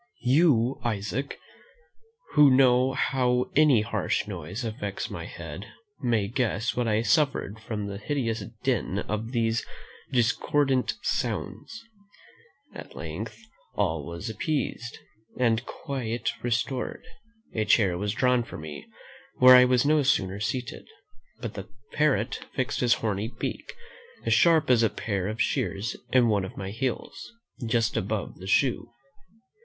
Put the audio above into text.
You, Isaac, who know how any harsh noise affects my head, may guess what I suffered from the hideous din of these discordant sounds. At length all was appeased, and quiet restored: a chair was drawn for me; where I was no sooner seated, but the parrot fixed his horny beak, as sharp as a pair of shears, in one of my heels, just above the shoe.